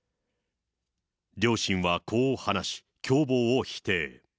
両親はこう話し、共謀を否定。